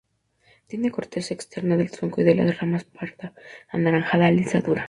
Tiene corteza externa del tronco y de las ramas parda a anaranjada, lisa, dura.